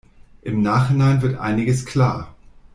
Im Nachhinein wird einiges klar.